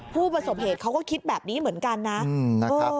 ผู้ประสบเหตุเขาก็คิดแบบนี้เหมือนกันนะ